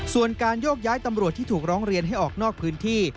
ส่วนการโยกย้ายตำรวจที่ถูกร้องเรียนให้ออกนอกพื้นที่